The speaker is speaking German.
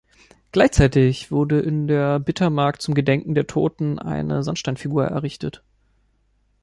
Gleichzeitig wurde in der Bittermark zum Gedenken der Toten eine Sandsteinfigur errichtet.